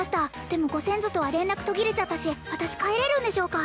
でもご先祖とは連絡途切れちゃったし私帰れるんでしょうか？